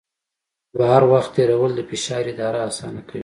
بهر وخت تېرول د فشار اداره اسانه کوي.